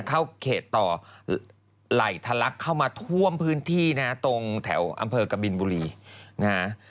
เข้าเขตต่อไหลทะลักเข้ามาท่วมพื้นที่นะฮะตรงแถวอำเภอกบินบุรีนะฮะ